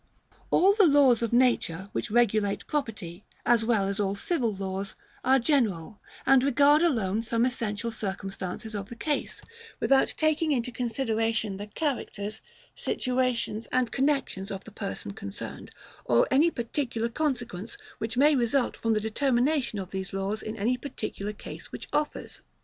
All the laws of nature, which regulate property, as well as all civil laws, are general, and regard alone some essential circumstances of the case, without taking into consideration the characters, situations, and connexions of the person concerned, or any particular consequences which may result from the determination of these laws in any particular case which offers.